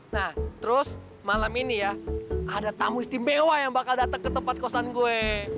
nah terus malam ini ya ada tamu istimewa yang bakal datang ke tempat kosan gue